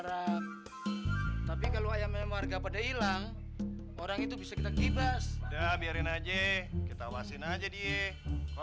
sampai jumpa di video selanjutnya